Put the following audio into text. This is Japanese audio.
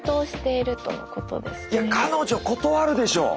いや彼女断るでしょう。